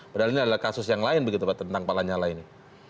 padahal ini adalah kasus yang lain tentang palanyala ini